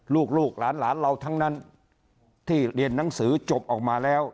ลูกหลานเราทั้งนั้นที่เรียนหนังสือจบออกมาแล้ว